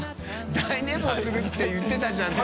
大寝坊するって言ってたじゃん」て。